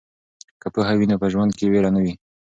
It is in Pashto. که پوهه وي نو په ژوند کې ویر نه وي.